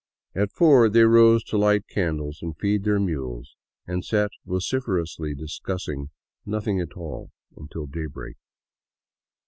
At four they rose 70 ALONG THE CAUCA VALLEY to light candles and feed their mules, and sat vociferously discussing nothing at all until daybreak.